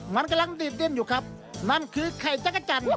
มันกำลังดีดดิ้นอยู่ครับนั่นคือไข่จักรจันทร์